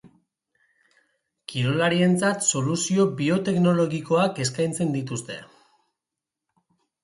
Kirolarientzat soluzio bioteknologikoak eskaintzen dituzte.